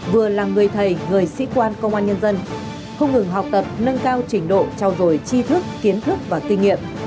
vừa là người thầy người sĩ quan công an nhân dân không ngừng học tập nâng cao trình độ trao dồi chi thức kiến thức và kinh nghiệm